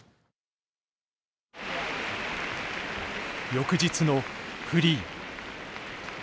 翌日のフリー。